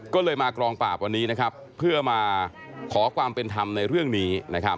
ก็เลยมากรองปราบวันนี้เพื่อมาขอความเป็นธรรมในเรื่องนี้